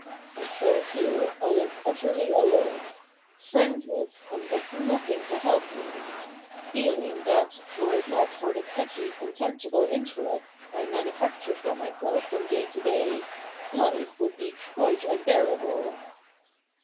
And so here I am utterly alone — friendless, and with nothing to help me ; feeling that, were it not for the petty contemptible interests I manufacture for myself from day to day, life would be quite unbearable.'